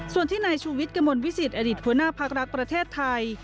ส่วนที่นายชูวิทย์กระมวลวิสิตอดิษฐ์หัวหน้าพักรักประเทศไทย